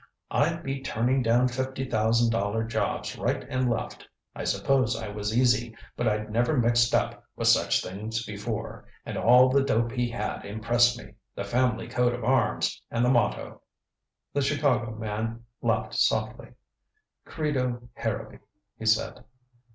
I'd be turning down fifty thousand dollar jobs right and left. I suppose I was easy, but I'd never mixed up with such things before, and all the dope he had impressed me the family coat of arms, and the motto " The Chicago man laughed softly. "Credo Harrowby," he said.